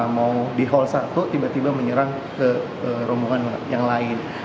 mau di hall satu tiba tiba menyerang ke rombongan yang lain